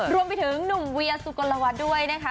รวมไปถึงหนุ่มเวียสุกลวัฒน์ด้วยนะคะ